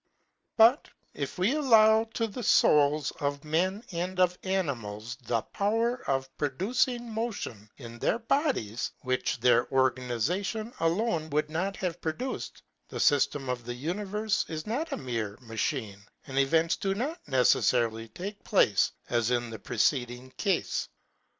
But, if we allow to the fouls of men and of ani mals the power of producing motion in their bodies, which their organization alone would not have pro duced, the fyftem of the univerfe is not a mere ma chine, and events do not neceffarily take place as in the preceding cafe.